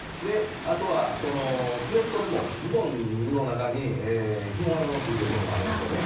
あとは、スウェットでもズボンの中にひもがついているものもありますよね。